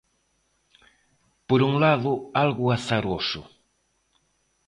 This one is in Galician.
Por un lado algo azaroso.